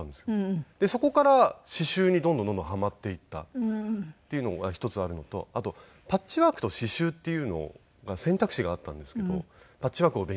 そこから刺繍にどんどんどんどんハマっていったっていうのが一つあるのとあとパッチワークと刺繍っていうのが選択肢があったんですけどパッチワークを勉強する。